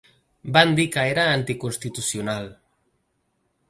Van dir que era anticonstitucional.